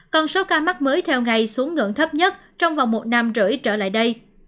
còn số ca mắc mới theo ngày xuống ngưỡng thấp nhất trong vòng một năm rưỡi trở lại đây